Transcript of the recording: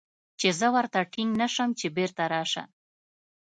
چې زه ورته ټينګ نه سم چې بېرته راسه.